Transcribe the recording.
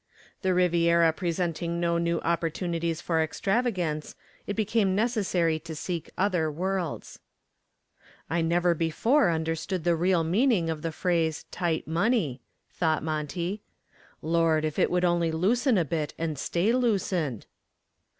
The Riviera presenting no new opportunities for extravagance, it became necessary to seek other worlds. "I never before understood the real meaning of the phrase 'tight money,'" thought Monty. "Lord, if it would only loosen a bit and stay loosened."